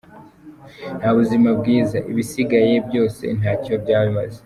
Nta buzima bwiza, ibisigaye byose ntacyo byaba bimaze.